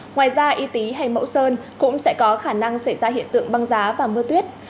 ngoài ra y tý hay mẫu sơn cũng sẽ có khả năng xảy ra hiện tượng băng giá và mưa tuyết